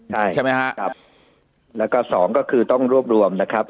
ใช่ใช่ไหมฮะครับแล้วก็สองก็คือต้องรวบรวมนะครับ